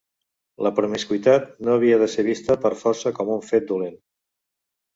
La promiscuïtat no havia de ser vista per força com un fet dolent.